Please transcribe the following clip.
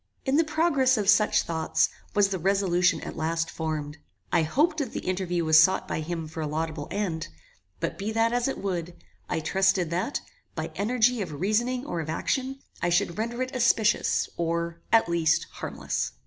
In the progress of such thoughts, was the resolution at last formed. I hoped that the interview was sought by him for a laudable end; but, be that as it would, I trusted that, by energy of reasoning or of action, I should render it auspicious, or, at least, harmless.